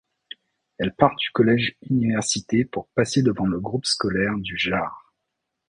Elle part du collège Université pour passer devant le groupe scolaire du Jard.